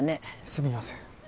すみません